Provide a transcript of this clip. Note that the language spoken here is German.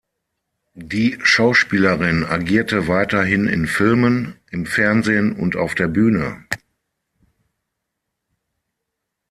Die Schauspielerin agierte weiterhin in Filmen, im Fernsehen und auf der Bühne.